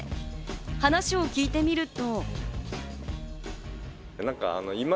話を聞いてみると。